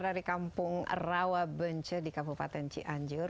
dari kampung rawabence di kabupaten cianjur